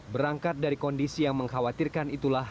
berangkat dari kondisi yang mengkhawatirkan itulah